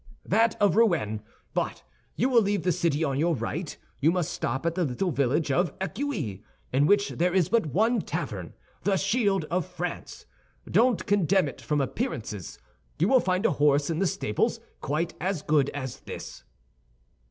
"That of Rouen; but you will leave the city on your right. You must stop at the little village of Eccuis, in which there is but one tavern—the Shield of France. Don't condemn it from appearances; you will find a horse in the stables quite as good as this."